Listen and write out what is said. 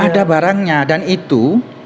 ada barangnya dan itu